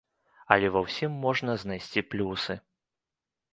Але ва ўсім можна знайсці плюсы.